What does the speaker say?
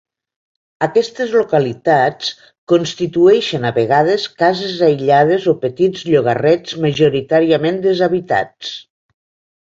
Aquestes localitats constitueixen a vegades cases aïllades o petits llogarrets majoritàriament deshabitats.